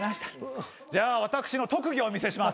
じゃあ私の特技をお見せします。